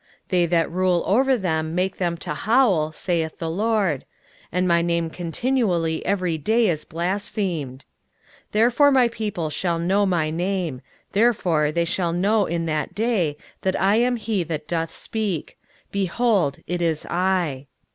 they that rule over them make them to howl, saith the LORD; and my name continually every day is blasphemed. 23:052:006 Therefore my people shall know my name: therefore they shall know in that day that I am he that doth speak: behold, it is I.